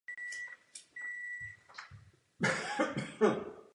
Z těchto důvodů jsem hlasoval proti reformě.